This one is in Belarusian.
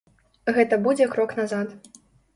Гэта будзе крок назад.